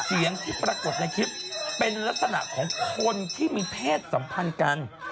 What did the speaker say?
เสียงที่ปรากฏในคลิปเป็นลักษณะของคนที่มีเพศสัมพันธ์กัน